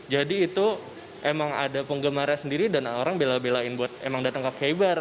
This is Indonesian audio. jadi itu memang ada penggemarnya sendiri dan orang bela belain buat emang datang ke keibar